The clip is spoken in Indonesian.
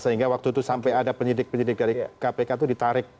sehingga waktu itu sampai ada penyidik penyidik dari kpk itu ditarik